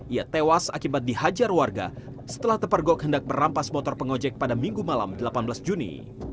ia tewas akibat dihajar warga setelah terpergok hendak merampas motor pengojek pada minggu malam delapan belas juni